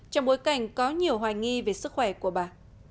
trong bối cảnh có nhiều hoài nghi về sức khỏe của bà